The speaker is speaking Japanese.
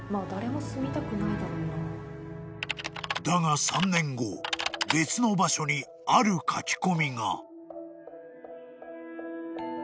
［だが３年後別の場所にある書き込みが］